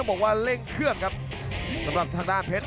ขยับมาล็อคแล้วตบคืนเลยครับด้วย๒สั้นครับของทางด้านเพชร